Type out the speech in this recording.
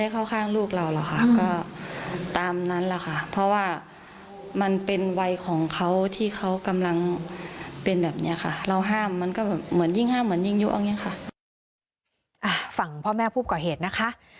ฝั่งพ่อแม่ผู้ก่อเหตุนะคะ